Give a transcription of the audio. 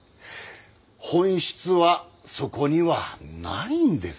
本質はそこにはないんです。